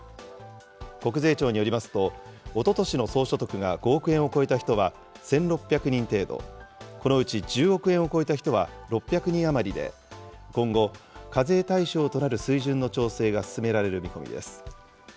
国税庁によりますと、おととしの総所得が５億円を超えた人は１６００人程度、このうち１０億円を超えた人は６００人余りで、今後、課税対象となる水準の調整が進められる見込みです。